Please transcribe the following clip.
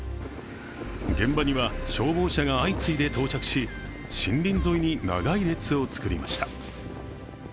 現場には消防車が相次いで到着し森林沿いに長い列を作りました。